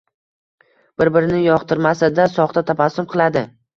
Bir-birini yoqtirmasa-da, soxta tabassum qiladi.